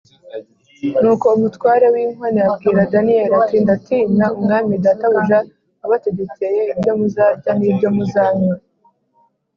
Nuko umutware w’inkone abwira Daniyeli ati “Ndatinya umwami databuja wabategekeye ibyo muzarya n’ibyo muzanywa